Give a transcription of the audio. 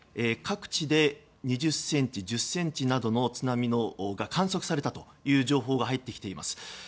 各地で２０ｃｍ、１０ｃｍなどの津波が観測されたという情報が入ってきています。